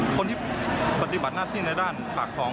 คนที่ปฏิบัติหน้าที่ในด้านปากท้อง